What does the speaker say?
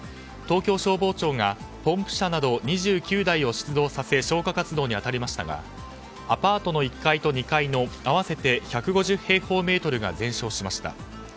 東京消防庁がポンプ車など２９台を出動させ消火活動に当たりましたがアパートの１階と２階の合わせて１５０平方メートルが全焼しました。